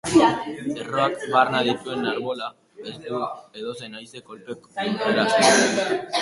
Erroak barna dituen arbola ez du edozein haize kolpek lurreratzen.